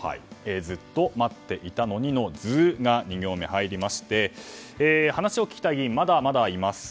ずっと待っていたのにの「ズ」が２行目、入りまして話を聞きたい議員まだまだいます。